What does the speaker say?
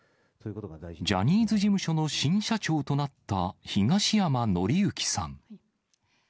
ジャニーズ事務所の新社長となった東山紀之さん。